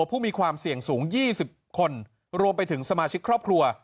ผู้มีความเสี่ยงสูง๒๐คนรวมไปถึงสมาชิกครอบครัว